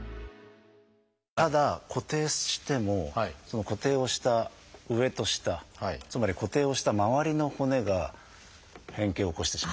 ただ固定してもその固定をした上と下つまり固定をした周りの骨が変形を起こしてしまうと。